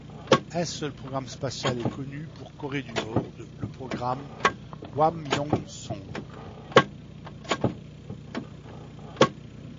Un seul programme spatial est connu pour Corée du nord, le programme Kwangmyŏngsŏng.